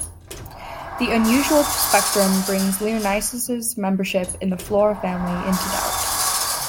The unusual spectrum brings Leonisis' membership in the Flora family into doubt.